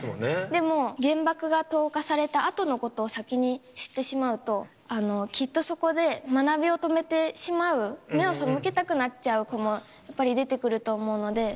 でも、原爆が投下されたあとのことを先に知ってしまうと、きっとそこで学びを止めてしまう、目を背けたくなっちゃう子もやっぱり出てくると思うので。